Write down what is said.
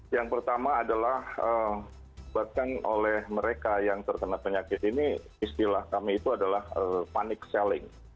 yang pertama adalah bahkan oleh mereka yang terkena penyakit ini istilah kami itu adalah panik selling